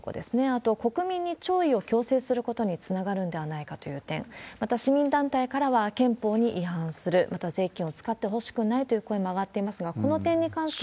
あと、国民に弔意を強制することにつながるんではないかという点、また、市民団体からは、憲法に違反する、また、税金を使ってほしくないという声も上がっていますが、この点に関